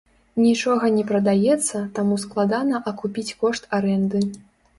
Нічога не прадаецца, таму складана акупіць кошт арэнды.